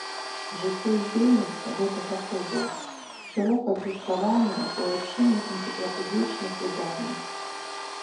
Жыццё і дзейнасць гэтых асобаў шырока адлюстраваныя ў айчынных энцыклапедычных выданнях.